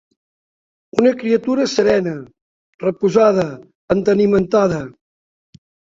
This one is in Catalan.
Una criatura serena, reposada, entenimentada